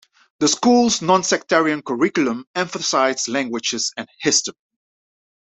The school's nonsectarian curriculum emphasized languages and history.